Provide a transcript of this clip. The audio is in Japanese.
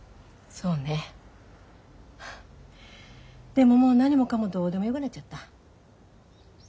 でももう何もかもどうでもよくなっちゃった。